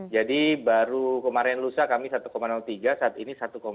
jadi baru kemarin lusa kami satu tiga saat ini satu satu